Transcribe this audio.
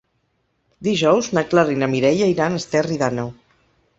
Dijous na Clara i na Mireia iran a Esterri d'Àneu.